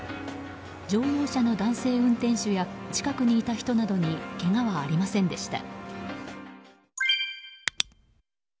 乗用車の男性運転手や近くにいた人などにけがはありませんでした。